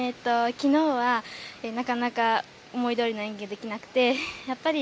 昨日はなかなか思いどおりの演技ができなくてやっぱり